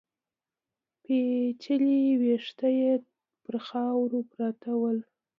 پيچلي ويښته يې پر خاورو پراته ول.